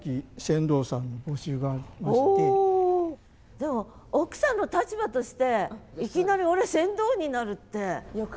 でも奥さんの立場としていきなり「俺船頭になる」って。